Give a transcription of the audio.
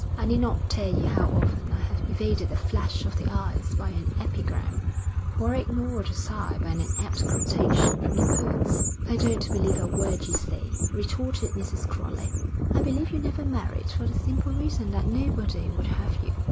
I need not tell you how often I have evaded a flash of the eyes by an epigram, or ignored a sigh by an apt quotation from the poets.' 'I don't believe a word you say,' retorted Mrs. Crowley. 'I believe you never married for the simple reason that nobody would have you.'